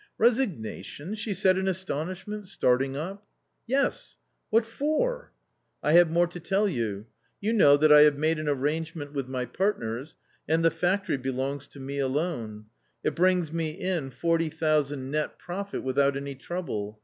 " ResiguatiflJL? " she said in astonishment, starting up. . "What for?" 14 1 have more to tell you ; you know that I have made an arrangement with my partners, and the factory belongs to me alone. It brings me in forty thousand nett profit without any trouble.